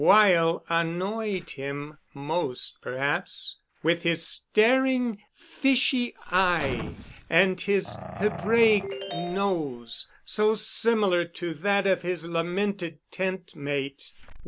Weyl annoyed him most perhaps, with his staring, fishy eye and his Hebraic nose, so similar to that of his lamented tent mate.